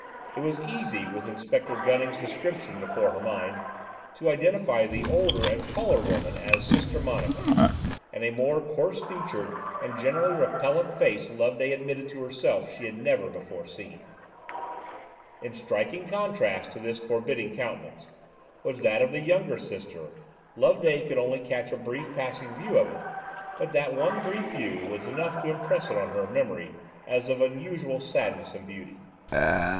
It was easy, with Inspector Gunning's description before her mind, to identify the older and taller woman as Sister Monica, and a more coarse featured and generally repellant face Loveday admitted to herself she had never before seen. In striking contrast to this forbidding countenance, was that of the younger Sister. Loveday could only catch a brief passing view of it, but that one brief view was enough to impress it on her memory as of unusual sadness and beauty.